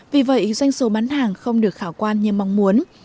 vì vậy doanh số bán hàng không được khảo quan như mong muốn